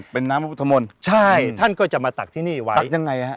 เป็นน้ำพระพุทธมนต์ใช่ท่านก็จะมาตักที่นี่ไว้ตักยังไงฮะ